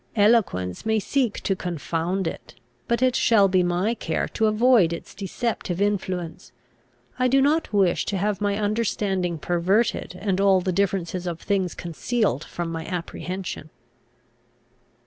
Eloquence may seek to confound it; but it shall be my care to avoid its deceptive influence. I do not wish to have my understanding perverted, and all the differences of things concealed from my apprehension."